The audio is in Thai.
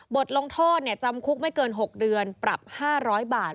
บทลงโทษจำคุกไม่เกิน๖เดือนปรับ๕๐๐บาท